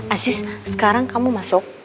aziz sekarang kamu masuk